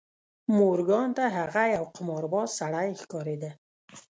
مورګان ته هغه یو قمارباز سړی ښکارېده